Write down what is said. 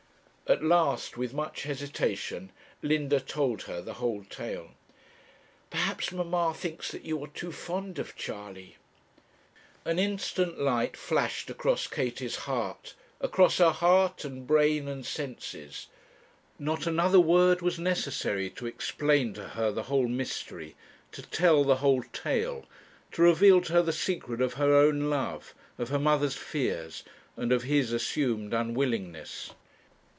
At last, with much hesitation, Linda told her the whole tale. 'Perhaps mamma thinks that you are too fond of Charley.' An instant light flashed across Katie's heart across her heart, and brain, and senses. Not another word was necessary to explain to her the whole mystery, to tell the whole tale, to reveal to her the secret of her own love, of her mother's fears, and of his assumed unwillingness.